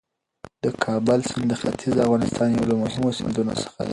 د کابل سیند د ختیځ افغانستان یو له مهمو سیندونو څخه دی.